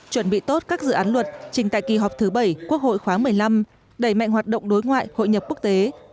chuẩn bị tốt các dự án luật trình tại kỳ họp thứ bảy quốc hội khoáng một mươi năm đẩy mạnh hoạt động đối ngoại hội nhập quốc tế